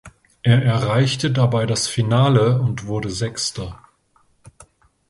Er erreichte dabei das Finale und wurde Sechster.